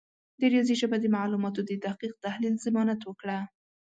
د ریاضي ژبه د معلوماتو د دقیق تحلیل ضمانت وکړه.